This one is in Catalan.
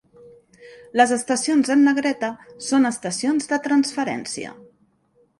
Les estacions en negreta són estacions de transferència.